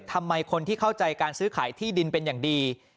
ทำไมคนที่เข้าใจการซื้อขายที่ดินเป็นอย่างดี